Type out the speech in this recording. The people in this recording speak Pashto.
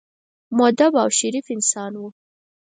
مودب او شریف انسانان وو.